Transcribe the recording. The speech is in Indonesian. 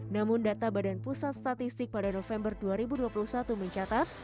namun data badan pusat statistik pada november dua ribu dua puluh satu mencatat